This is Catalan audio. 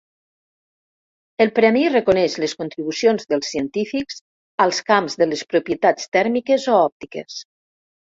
El premi reconeix les contribucions dels científics als camp de les propietats tèrmiques o òptiques.